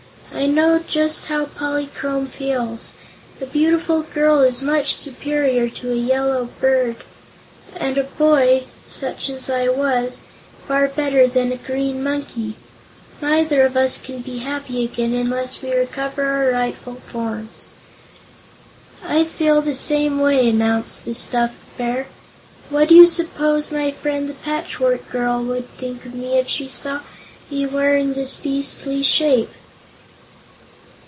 "I know just how Polychrome feels. A beautiful girl is much superior to a little yellow bird, and a boy such as I was far better than a Green Monkey. Neither of us can be happy again unless we recover our rightful forms." "I feel the same way," announced the stuffed Bear. "What do you suppose my friend the Patchwork Girl would think of me, if she saw me wearing this beastly shape?"